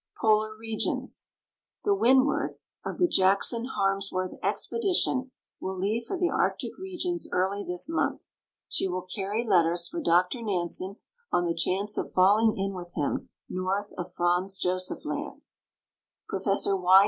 POLAR REGIONS The Wbidimnl, of the Jackson Harmsworth expedition, will leave for the Arctic regions early this month. She will carry letters for Dr Nansen, on the chance of falling in with him north of Franz Josef Land. Prof. Y.